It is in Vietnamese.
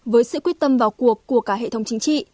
với sự quyết tâm vào cuộc của cả hệ thống chính trị